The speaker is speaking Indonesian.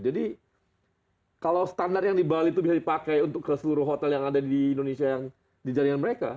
jadi kalau standar yang di bali itu bisa dipakai untuk ke seluruh hotel yang ada di indonesia yang di jaringan mereka